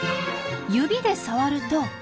指で触ると。